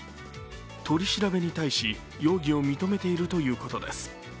取り調べに対し、容疑を認めているということです。